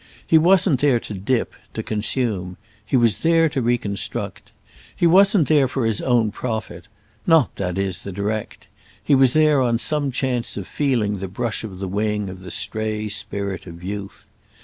He wasn't there to dip, to consume—he was there to reconstruct. He wasn't there for his own profit—not, that is, the direct; he was there on some chance of feeling the brush of the wing of the stray spirit of youth.